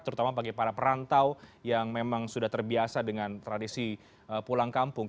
terutama bagi para perantau yang memang sudah terbiasa dengan tradisi pulang kampung